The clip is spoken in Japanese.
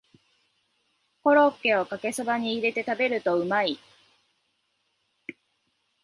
コロッケをかけそばに入れて食べるとうまい